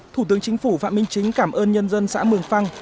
thủ tướng chính phủ phạm minh chính cảm ơn nhân dân xã mường phăng